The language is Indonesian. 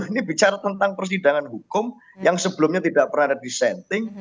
ini bicara tentang persidangan hukum yang sebelumnya tidak pernah ada dissenting